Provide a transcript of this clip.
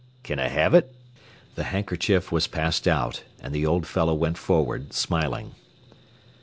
Kin I have it?" The handkerchief was passed out, and the old fellow went forward smiling.